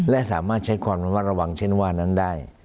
และสามารถใช้ความระมัดระวังเช่นว่านั้นได้